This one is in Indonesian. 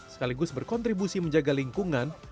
sekaligus berkontribusi menjaga lingkungan